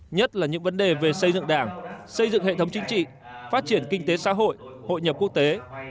nhất là những vấn đề về xây dựng đảng xây dựng hệ thống chính trị phát triển kinh tế xã hội hội nhập quốc tế